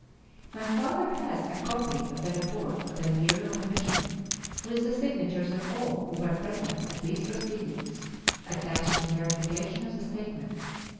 My father has a copy of the report of the Imperial Commission, with the signatures of all who were present at these proceedings, attached in verification of the statement.